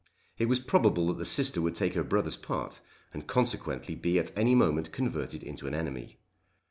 It was probable that the sister would take her brother's part and consequently be at any moment converted into an enemy.